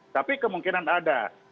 tapi kemungkinan ada